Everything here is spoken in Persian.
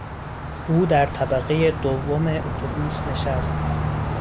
او در طبقهی دوم اتوبوس نشست.